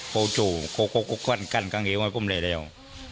เขาสู้คุกกั้นกางเฮียวให้ผมเลยแล้ว